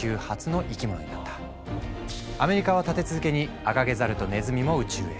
アメリカは立て続けにアカゲザルとネズミも宇宙へ。